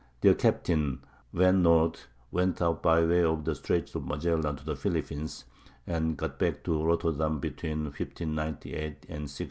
Their captain, Van Noort, went out by way of the Straits of Magellan to the Philippines, and got back to Rotterdam between 1598 and 1601.